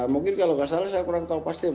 mungkin kalau nggak salah saya kurang tahu pasti